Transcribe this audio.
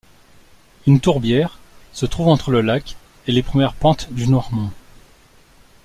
Une tourbière se trouve entre le lac et les premières pentes du Noirmont.